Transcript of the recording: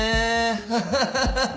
ハハハハハ。